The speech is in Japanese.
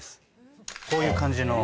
こういう感じの。